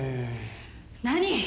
何！